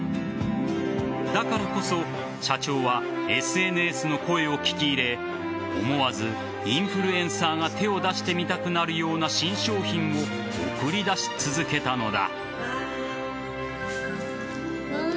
だからこそ社長はＳＮＳの声を聞き入れ思わずインフルエンサーが手を出してみたくなるような新商品を送り出し続けたのだ。